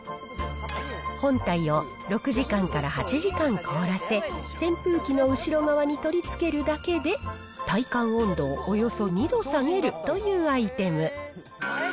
本体を６時間から８時間凍らせ、扇風機の後ろ側に取り付けるだけで、体感温度をおよそ２度下げるというアイテム。